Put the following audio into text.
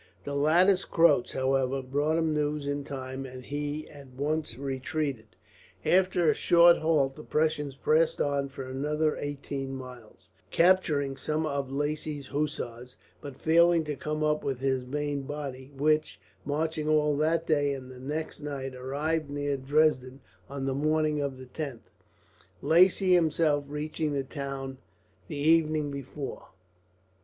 The latter's Croats, however, brought him news in time, and he at once retreated. After a short halt the Prussians pressed on for another eighteen miles, capturing some of Lacy's hussars, but failing to come up with his main body; which, marching all that day and the next night, arrived near Dresden on the morning of the 10th, Lacy himself reaching the town the evening before.